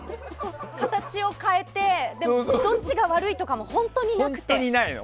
形を変えてでも、どっちが悪いとかも本当になくて。